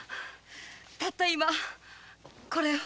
たった今これを！